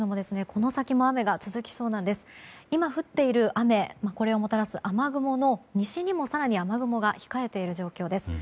これをもたらす雨雲の西にも更に雨雲が控えている状況です。